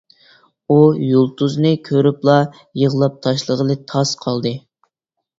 ئۇ يۇلتۇزنى كۆرۈپلا يىغلاپ تاشلىغىلى تاس قالدى.